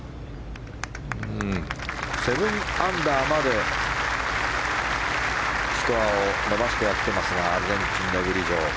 ７アンダーまでスコアを伸ばしてきていますがアルゼンチンのグリジョ。